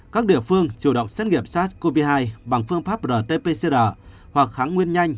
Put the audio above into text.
các địa phương chủ động xét nghiệm sars cov hai bằng phương pháp rt pcr hoặc kháng nguyên nhanh